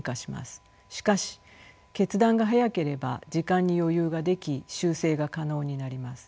しかし決断が早ければ時間に余裕ができ修正が可能になります。